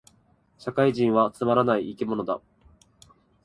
社会人はつまらない生き物だ